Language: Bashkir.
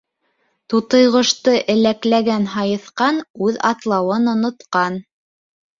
Тутыйғошто әләкләгән һайыҫҡан үҙ атлауын онотҡан.